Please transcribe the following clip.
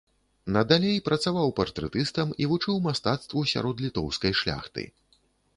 Надалей працаваў партрэтыстам і вучыў мастацтву сярод літоўскай шляхты.